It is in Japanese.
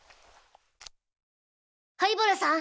灰原さん